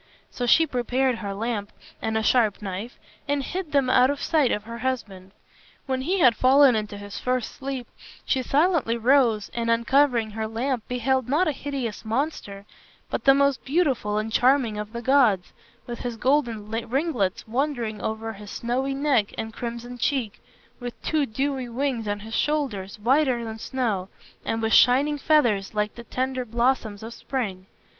So she prepared her lamp and a sharp knife, and hid them out of sight of her husband. When he had fallen into his first sleep, she silently rose and uncovering her lamp beheld not a hideous monster, but the most beautiful and charming of the gods, with his golden ringlets wandering over his snowy neck and crimson cheek, with two dewy wings on his shoulders, whiter than snow, and with shining feathers like the tender blossoms of spring.